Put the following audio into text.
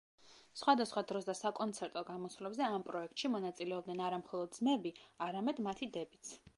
სხვადასხვა დროს და საკონცერტო გამოსვლებზე ამ პროექტში მონაწილეობდნენ არა მხოლოდ ძმები, არამედ მათი დებიც.